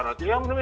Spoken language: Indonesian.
nanti yang enggak